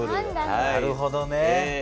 なるほどね。